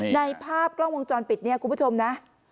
ในภาพกล้องวงจรปิดเนี่ยคุณผู้ชมนะ